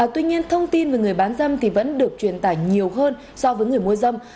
tuy nhiên thông tin về người bán dâm vẫn được truyền tải nhiều hơn so với người mua dâm